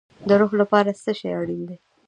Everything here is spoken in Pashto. د روح لپاره څه شی اړین دی؟